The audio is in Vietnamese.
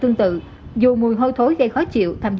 không để khó chịu thật